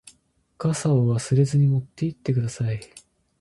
傘を忘れずに持って行ってください。